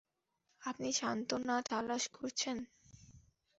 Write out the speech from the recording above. আপনি সান্ত্বনা তালাশ করছেন?